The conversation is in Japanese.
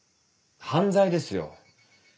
犯罪ですよ。